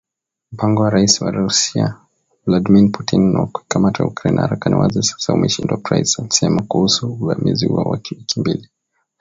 Mpango wa Rais wa Russia Vladmir Putin wa kuikamata Ukraine haraka ni wazi sasa umeshindwa Price alisema kuhusu uvamizi huo wa wiki mbili